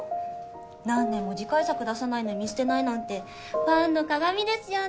何年も次回作出さないのに見捨てないなんてファンの鑑ですよね。